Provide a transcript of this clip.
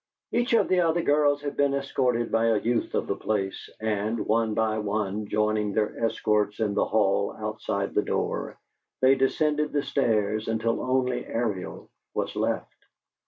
Each of the other girls had been escorted by a youth of the place, and, one by one, joining these escorts in the hall outside the door, they descended the stairs, until only Ariel was left.